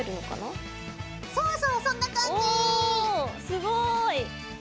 すごい！